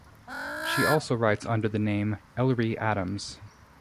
She also writes under the name Ellery Adams.